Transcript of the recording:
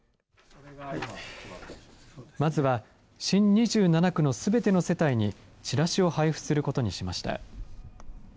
まずは、新２７区のすべての世帯にチラシを配布することにしました。